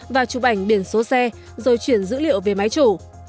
và chụp ảnh biển số xe rồi chuyển dữ liệu về máy chủ